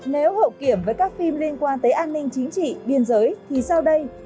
nếu hậu kiểm với các phim liên quan tới an ninh chính trị biên giới thì sau đây